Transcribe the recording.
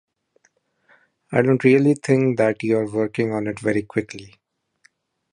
I don't really think that you're working on it very quickly.